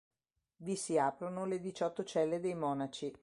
Vi si aprono le diciotto celle dei monaci.